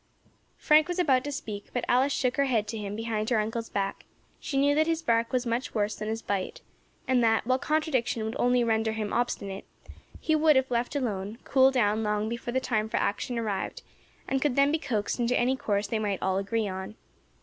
Frank was about to speak, but Alice shook her head to him behind her uncle's back; she knew that his bark was much worse than his bite, and that, while contradiction would only render him obstinate, he would, if left alone, cool down long before the time for action arrived, and could then be coaxed into any course they might all agree upon.